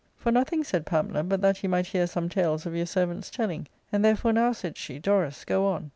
" For nothing," said Pamela, " but that ye might, heai: some tales of your servant's telling ; and therefore now,'* said she, " Dorus, go on."